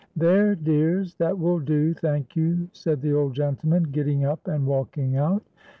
"There, dears, that will do, thank you,"' said the old gentleman, getting up and walking out.